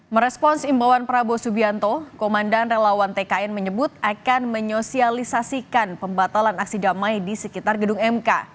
merespons imbauan prabowo subianto komandan relawan tkn menyebut akan menyosialisasikan pembatalan aksi damai di sekitar gedung mk